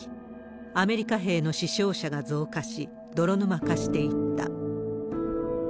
アメリカ兵の死傷者が増加し、泥沼化していった。